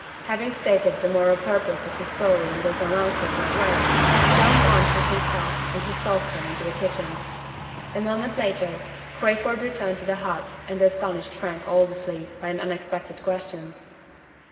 '" Having stated the moral purpose of his story in those unanswerable words, John Want took himself and his saucepan into the kitchen. A moment later, Crayford returned to the hut and astonished Frank Aldersley by an unexpected question.